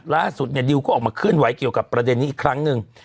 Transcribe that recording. ล่าสุดเนี่ยดิวก็ออกมาเคลื่อนไหวเกี่ยวกับประเด็นนี้อีกครั้งหนึ่ง